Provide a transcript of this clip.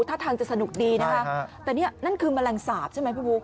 ท่าทางจะสนุกดีนะคะแต่นี่นั่นคือแมลงสาปใช่ไหมพี่บุ๊